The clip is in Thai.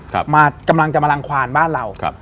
กำลังจะมาลังควานบ้านเรา